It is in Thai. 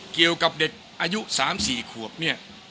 เกี่ยวกับเด็กอายุ๓๔ขวบเนี่ย